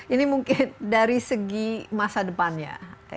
ini mungkin dari segi masa depannya